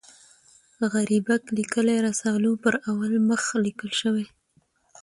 غریبک لیکلي رسالو پر اول مخ لیکل شوي.